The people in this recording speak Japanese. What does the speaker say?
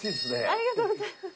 ありがとうございます。